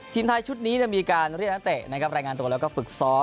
ทีมไทยชุดนี้มีการเรียกนักเตะนะครับรายงานตัวแล้วก็ฝึกซ้อม